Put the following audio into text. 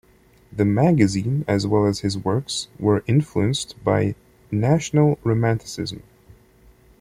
The magazine, as well as his works, were influenced by national romanticism.